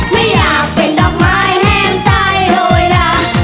ไม่อยากเป็นดอกไม้แห้งใต้โดดา